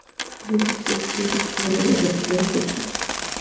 Comenzó sus estudios de piano a la edad de tres años con su madre.